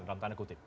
dalam tanda kutip